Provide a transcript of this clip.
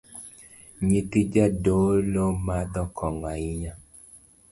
Nyithii jadolo madho kong’o ahinya